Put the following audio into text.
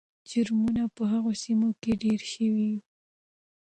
جرمونه په هغو سیمو کې ډېر شوي وو.